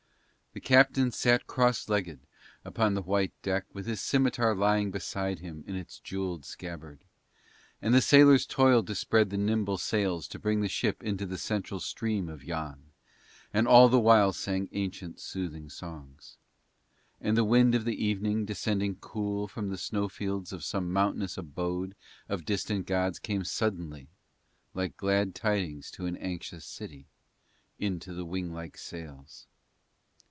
The captain sate cross legged upon the white deck with his scimitar lying beside him in its jewelled scabbard, and the sailors toiled to spread the nimble sails to bring the ship into the central stream of Yann, and all the while sang ancient soothing songs. And the wind of the evening descending cool from the snowfields of some mountainous abode of distant gods came suddenly, like glad tidings to an anxious city, into the wing like sails.